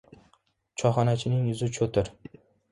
Choy- xonachining yuzi cho‘tir.